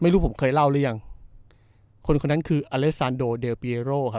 ไม่รู้ผมเคยเล่าหรือยังคนคนนั้นคืออเลสซานโดเดียร์เปียโร่ครับอ๋อ